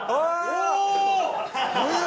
お！